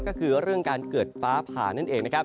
ก็คือเรื่องการเกิดฟ้าผ่านั่นเองนะครับ